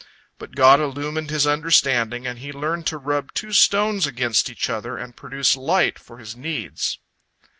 But God illumined his understanding, and he learned to rub two stones against each other and produce light for his needs.